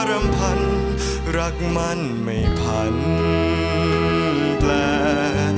รำพันรักมันไม่พันแปล